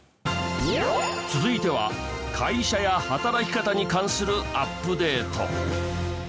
続いては会社や働き方に関するアップデート。